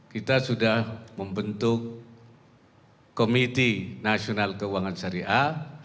kita sudah membentuk komiti nasional keuangan syariah